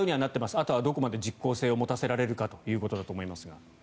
あとはどこまで実効性を持たせられるかだと思いますが。